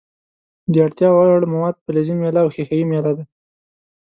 د اړتیا وړ مواد فلزي میله او ښيښه یي میله ده.